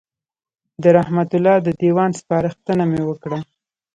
د رحمت الله د دېوان سپارښتنه مې وکړه.